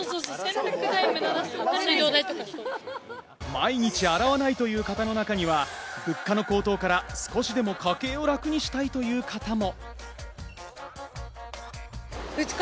毎日洗わないという方の中には、物価の高騰から少しでも家計を楽にしたいという方も。